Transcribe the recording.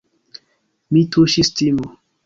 Min tuŝis timo.